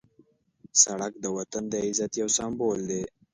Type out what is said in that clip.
سړک د وطن د عزت یو سمبول دی.